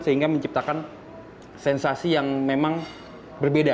sehingga menciptakan sensasi yang memang berbeda